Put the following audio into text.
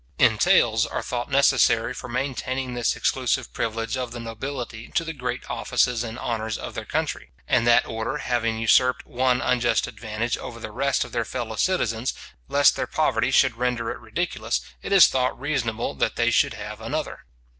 Entails are thought necessary for maintaining this exclusive privilege of the nobility to the great offices and honours of their country; and that order having usurped one unjust advantage over the rest of their fellow citizens, lest their poverty should render it ridiculous, it is thought reasonable that they should have another.